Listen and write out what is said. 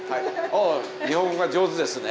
ああ日本語が上手ですね。